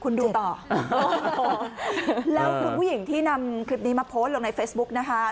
คุณดูต่อแล้วคุณผู้หญิงที่นำคลิปนี้มาโพสต์ลงในเฟซบุ๊กนะคะ